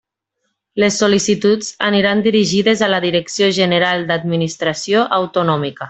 Les sol·licituds aniran dirigides a la Direcció General d'Administració Autonòmica.